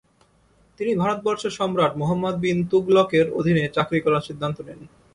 তিনি ভারতবর্ষের সম্রাট মুহাম্মদ বিন তুঘলকের অধীনে চাকরি করার সিদ্ধান্ত নেন।